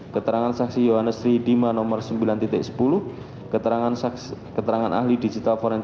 keterangan saksi yohanestri dima nomor sembilan sepuluh keterangan ahli digital forensik